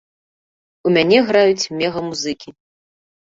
У мяне граюць мега-музыкі.